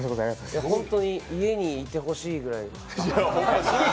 ホントに家にいてほしいぐらい。